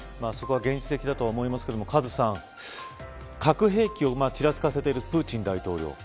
そこが現実的だと思いますがカズさん核兵器をちらつかせているプーチン大統領。